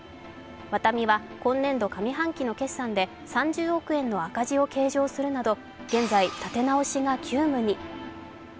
ワタミは今年度上半期の決算で３０億円の赤字を計上するなど現在、立て直しが急務に。